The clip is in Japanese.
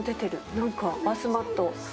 なんかバスマット。